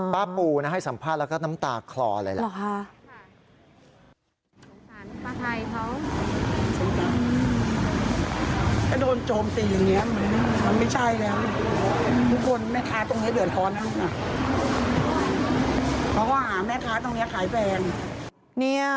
ป้าปูให้สัมภาษณ์แล้วก็น้ำตาคลอเลย